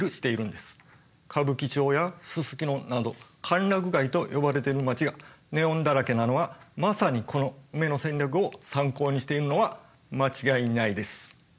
歌舞伎町やすすきのなど歓楽街と呼ばれてる街がネオンだらけなのはまさにこのウメの戦略を参考にしているのは間違いないです。